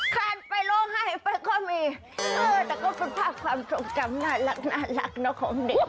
คลานไปลงให้ไปก็มีเออแต่ก็สุดท้ายความทรงจำน่ารักเนอะของเด็ก